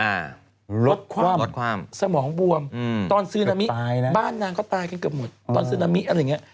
อินนางลดความสมองบวมตอนซื้อนามิกนะบ้านนามก็ตายกันเกือบหมดตอนซื้อนามิกอะไรอย่างนี้